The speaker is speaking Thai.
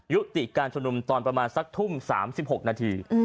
ยุติการชุมนุมตอนประมาณสักทุ่ม๓๖นาที